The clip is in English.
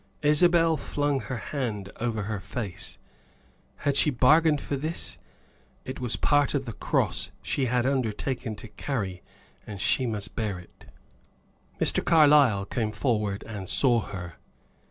Isabel flung her hand over her face. Had she bargained for this? It was part of the cross she had undertaken to carry, and she must bear it. Mr. Carlyle came forward and saw her.